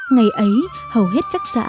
ngày ấy hầu hết các xã